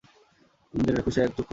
তোমরা জেনে রেখ, সে এক-চক্ষুবিশিষ্ট।